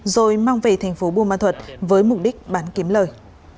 rồi mang về thành phố buôn ma thuật với mục đích bán kiếm lời